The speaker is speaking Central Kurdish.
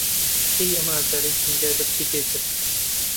کەی ئەم ئازاری سنگه دەستی پیکرد؟